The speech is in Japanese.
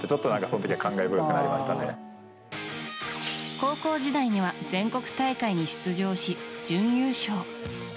高校時代には全国大会に出場し準優勝。